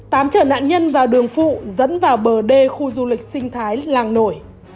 tám trở nạn nhân vào đường phụ dẫn vào bờ đê khu du lịch sinh thái làng nổi